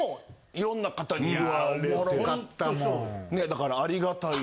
だからありがたい。